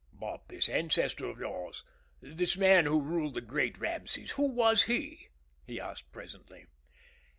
"But this ancestor of yours the man who ruled the Great Rameses who was he?" he asked, presently.